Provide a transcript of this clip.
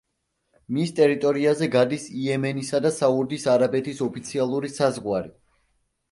მის ტერიტორიაზე გადის იემენისა და საუდის არაბეთის ოფიციალური საზღვარი.